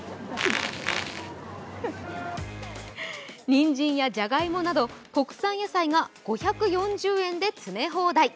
にんじんやじゃがいもなど、国産野菜が５４０円で詰め放題。